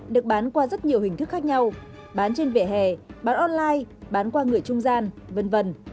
được bán qua rất nhiều hình thức khác nhau bán trên vỉa hè bán online bán qua người trung gian v v